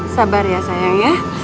sabar ya sayang ya